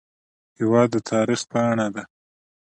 هېواد د تاریخ پاڼه ده.